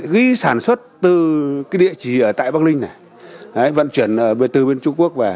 ghi sản xuất từ cái địa chỉ ở tại bắc linh này vận chuyển từ bên trung quốc về